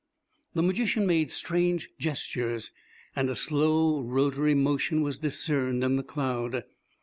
The magician made strange gestures, and a slow rotary motion was discerned in the cloud.